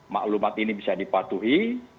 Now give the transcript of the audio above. maklumat ini bisa dipatuhi